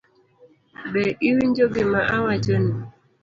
Be iwinjo gima awachoni?